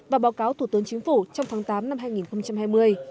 và báo cáo thủ tướng chính phủ trong tháng tám năm hai nghìn hai mươi